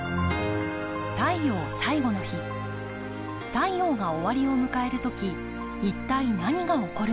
太陽が終わりを迎える時一体何が起こるのか。